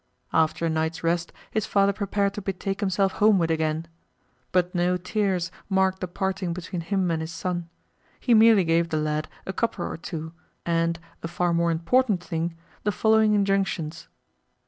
After a night's rest his father prepared to betake himself homeward again; but no tears marked the parting between him and his son, he merely gave the lad a copper or two and (a far more important thing) the following injunctions.